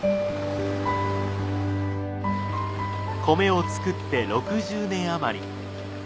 米を作って６０年余り。